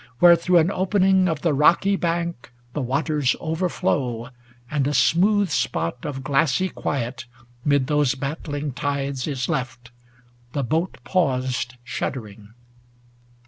Where through an opening of the rocky bank 391 The waters overflow, and a smooth spot Of glassy quiet 'mid those battling tides Is left, the boat paused shuddering.